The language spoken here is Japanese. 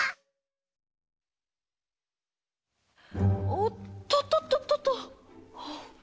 おっととととと。